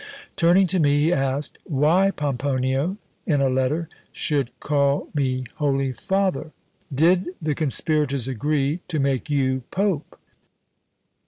Turning to me, he asked, 'why Pomponio, in a letter, should call me Holy Father? Did the conspirators agree to make you pope?'